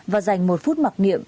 và dành một phút mặc nghiệm